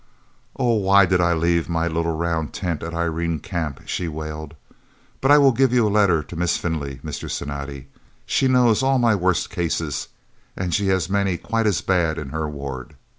"Oh, why did I leave my little round tent at Irene Camp?" she wailed. "But I will give you a letter for Miss Findlay, Mr. Cinatti. She knows all my worst cases and she has many quite as bad in her ward.